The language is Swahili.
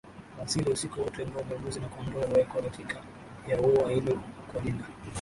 wa asili Usiku wote ngombe mbuzi na kondoo huwekwa katikati ya ua hilo kuwalinda